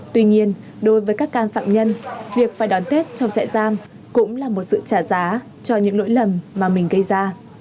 tuy nhiên đối với các can phạm nhân việc phải đón tết trong trại giam cũng là một sự trả giá cho những lỗi lầm mà mình gây ra